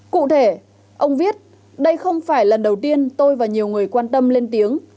cụ thể ông viết đây không phải lần đầu tiên tôi và nhiều người quan tâm lên tiếng